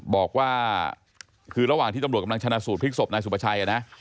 บอกว่าคือระหว่างที่ตำรวจกำลังชนะสูตรพลิกศพนายสุภาชัยนะ